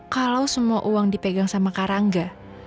kalau semua uang dipegang sama kak rangga